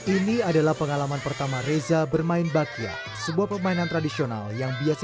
ini adalah pengalaman pertama reza bermain bakya sebuah permainan tradisional yang biasa